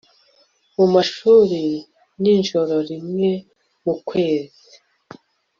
mu mashuri nijoro rimwe mu kwezi